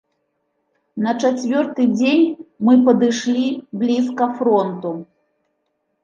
На чацвёрты дзень мы падышлі блізка фронту.